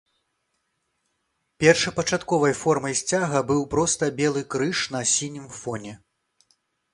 Першапачатковай формай сцяга быў проста белы крыж на сінім фоне.